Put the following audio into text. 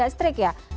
juga strik ya